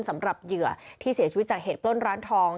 เหยื่อที่เสียชีวิตจากเหตุปล้นร้านทอง